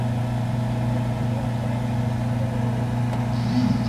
این مجله پر از فساد و ضلالت است.